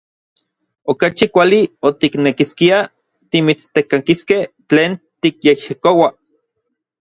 Okachi kuali otiknekiskiaj timitstenkakiskej tlen tikyejyekoua.